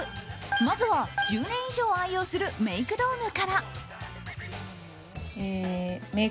まずは１０年以上愛用するメイク道具。